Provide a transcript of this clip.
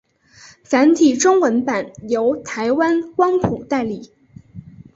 繁体中文版由台湾光谱代理。